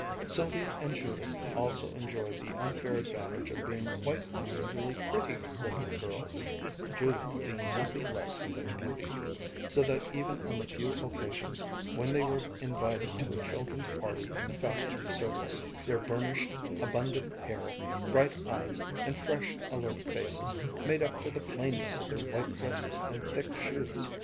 Sylvia and Judith also enjoyed the unfair advantage of being quite unusually pretty little girls (Judith being nothing less than a beauty), so that even on the few occasions when they were invited to a children's party in the faculty circle their burnished, abundant hair, bright eyes, and fresh, alert faces made up for the plainness of their white dresses and thick shoes.